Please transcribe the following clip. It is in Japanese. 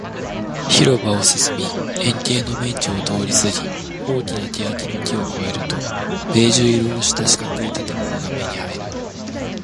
広場を進み、円形のベンチを通りすぎ、大きな欅の木を越えると、ベージュ色をした四角い建物が目に入る